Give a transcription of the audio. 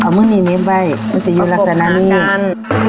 เอาเมื่อนี้นี้ไปมันจะอยู่ลักษณะนี้ปกบครากัน